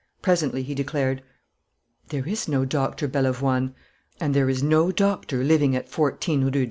Presently he declared: "There is no Doctor Bellavoine; and there is no doctor living at 14 Rue d'Astorg."